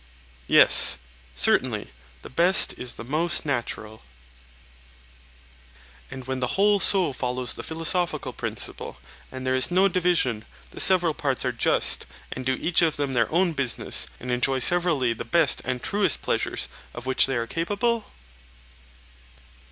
Yes, certainly; the best is the most natural. And when the whole soul follows the philosophical principle, and there is no division, the several parts are just, and do each of them their own business, and enjoy severally the best and truest pleasures of which they are capable?